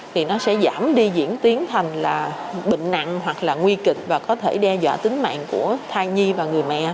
thì nó sẽ giảm đi diễn tiến thành là bệnh nặng hoặc là nguy kịch và có thể đe dọa tính mạng của thai nhi và người mẹ